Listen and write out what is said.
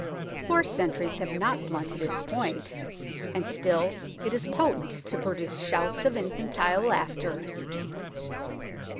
Four centuries have not blunted its point, and still it is potent to produce shouts of infantile laughter.